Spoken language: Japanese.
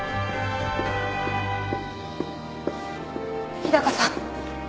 日高さん。